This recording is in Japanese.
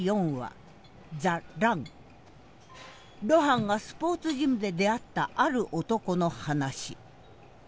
露伴がスポーツジムで出会ったある男の話。